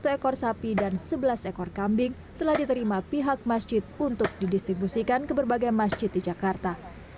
satu ekor sapi dan sebelas ekor kambing telah diterima pihak masjid untuk didistribusikan ke berbagai masjid di jakarta